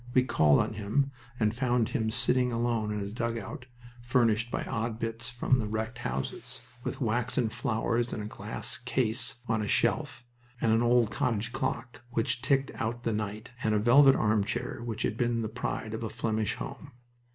We called on him, and found him sitting alone in a dugout furnished by odd bits from the wrecked houses, with waxen flowers in a glass case on the shelf, and an old cottage clock which ticked out the night, and a velvet armchair which had been the pride of a Flemish home.